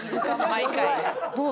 毎回。